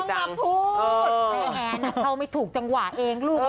พูดก็ไม่ได้หรอครับ